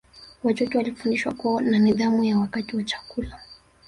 Watoto walifundishwa kuwa na nidhamu ya wakati wa chakula